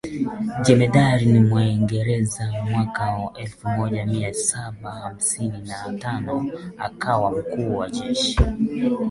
jemadari Mwingereza Mwaka elfu moja mia saba hamsini na tano akawa mkuu wa jeshi